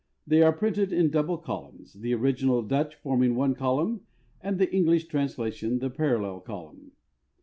They are printed in double columns, the original Dutch forming one column and the English translation the parallel column.